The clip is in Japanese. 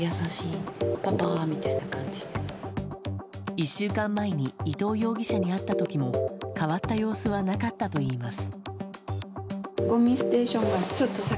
１週間前に伊藤容疑者に会った時も変わった様子はなかったといいます。